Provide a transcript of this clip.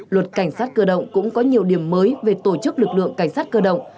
luật cảnh sát cơ động cũng có nhiều điểm mới về tổ chức lực lượng cảnh sát cơ động